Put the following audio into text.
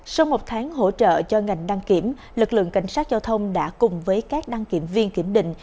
sau một tháng hỗ trợ cho ngành đăng kiểm lực lượng cảnh sát giao thông đã cùng với các đăng kiểm viên kiểm định